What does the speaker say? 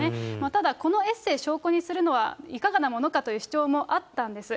ただこのエッセー、証拠にするのはいかがなものかという主張もあったんです。